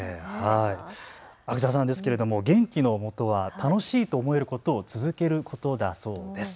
阿久澤さん、元気のもとは楽しいと思えることを続けることだそうです。